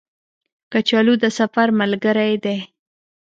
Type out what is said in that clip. کچالو د سفر ملګری دی